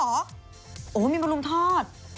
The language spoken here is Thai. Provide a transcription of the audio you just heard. โอ้ยมีมารุมทอด